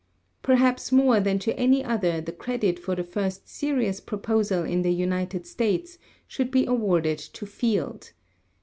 Perhaps more than to any other the credit for the first serious proposal in the United States should be awarded to Field.